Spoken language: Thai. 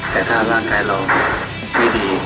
แต่ถ้าร่างกายเราไม่ดี